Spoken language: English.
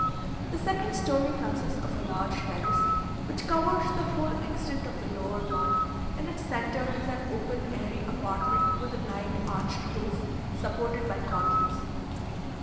The second story consists of a large terrace, which covers the whole extent of the lower one; in its centre is an open airy apartment with a light arched roof, supported by columns.